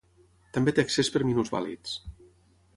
També té accés per minusvàlids.